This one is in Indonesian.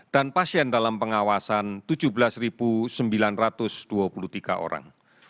dan pasien dalam pengawasan tujuh belas sembilan ratus dua puluh tiga orang